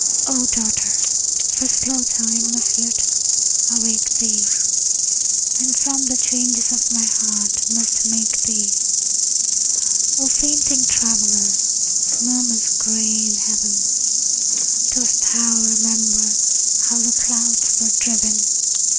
O daughter, for slow time must yet awake thee, And from the changes of my heart must make thee! O fainting traveller, morn is gray in heaven. Dost thou remember how the clouds were driven?